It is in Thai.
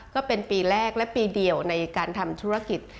ก็เป็นปีแรกและปีเดียวในการทำธุรกิจ